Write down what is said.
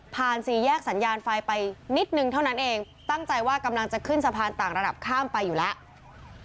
สี่แยกสัญญาณไฟไปนิดนึงเท่านั้นเองตั้งใจว่ากำลังจะขึ้นสะพานต่างระดับข้ามไปอยู่แล้ว